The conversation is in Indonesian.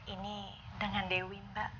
ini dengan dewi mbak